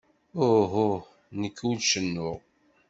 Uhu, nekk ur cennuɣ.